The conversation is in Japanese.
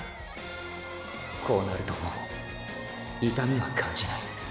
こうなるともう痛みは感じない。